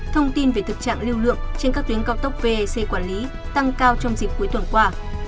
thông tin về thực trạng lưu lượng trên các tuyến cao tốc vec quản lý tăng cao trong dịp cuối tuần qua